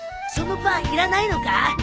そのパンいらないのか？